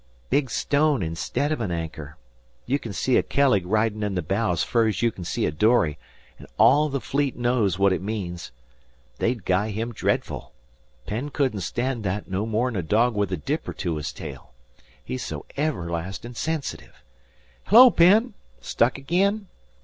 "Big stone instid of an anchor. You kin see a kelleg ridin' in the bows fur's you can see a dory, an' all the fleet knows what it means. They'd guy him dreadful. Penn couldn't stand that no more'n a dog with a dipper to his tail. He's so everlastin' sensitive. Hello, Penn! Stuck again?